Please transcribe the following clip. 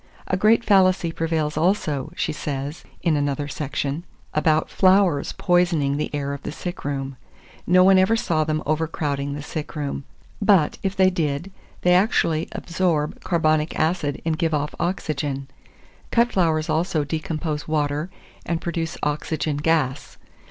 "A great fallacy prevails also," she says, in another section, "about flowers poisoning the air of the sick room: no one ever saw them over crowding the sick room; but, if they did, they actually absorb carbonic acid and give off oxygen." Cut flowers also decompose water, and produce oxygen gas.